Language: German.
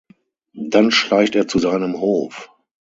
Dann schleicht er zu seinem Hof.